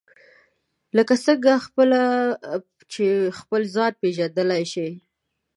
لکه څنګه خپله چې خپل ځان پېژندلای شئ.